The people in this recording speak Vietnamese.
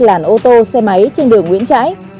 làn ô tô xe máy trên đường nguyễn trãi